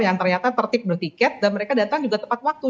yang ternyata tertip dengan tiket dan mereka datang juga tepat waktu